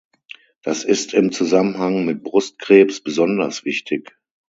Das ist im Zusammenhang mit Brustkrebs besonders wichtig.